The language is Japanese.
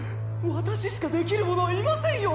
「私しかできる者はいませんよ！？」